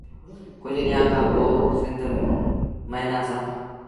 ڪجھ ڏيٚݩهآݩ کآݩ پو سنڌ ميݩآيآ سيٚݩ ۔